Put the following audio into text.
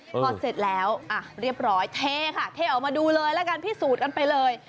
พอเสร็จแล้วเรียบร้อยเทค่ะเทออกมาดูเลยแล้วกันพิสูจน์กันไปเลย